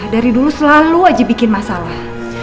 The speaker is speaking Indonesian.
dari dulu selalu wajib bikin masalah